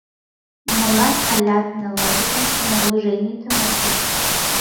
Молан алят налогетым, самообложениетым от пу?